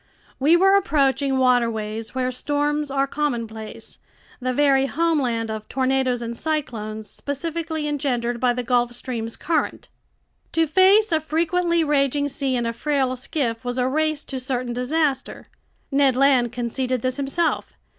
We were approaching waterways where storms are commonplace, the very homeland of tornadoes and cyclones specifically engendered by the Gulf Stream's current. To face a frequently raging sea in a frail skiff was a race to certain disaster. Ned Land conceded this himself.